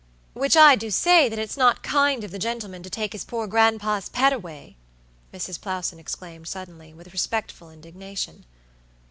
"Which I do say that it's not kind of the gentleman to take his poor grandpa's pet away," Mrs. Plowson exclaimed, suddenly, with respectful indignation.